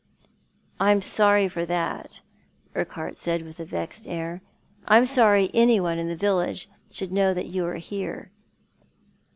" I'm f orry for that !" Urquhart said, with a vexed air, " I'm sorry anyone in the village should know you were here."